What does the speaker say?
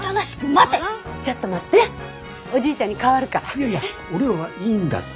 いやいや俺はいいんだって。